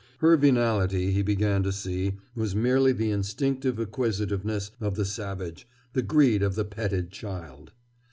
Her venality, he began to see, was merely the instinctive acquisitiveness of the savage, the greed of the petted child.